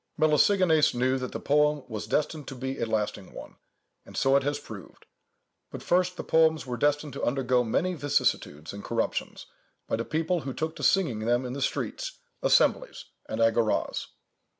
Melesigenes knew that the poem was destined to be a lasting one, and so it has proved; but, first, the poems were destined to undergo many vicissitudes and corruptions, by the people who took to singing them in the streets, assemblies, and agoras.